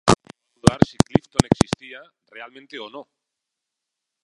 Se llegó a dudar si "Clifton" existía realmente o no.